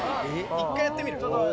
１回やってみる？